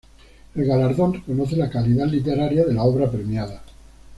El galardón reconoce la calidad literaria de la obra premiada.